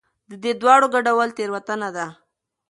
د دې دواړو ګډول تېروتنه ده.